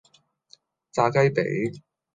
炸雞髀